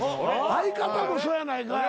相方もそうやないかい。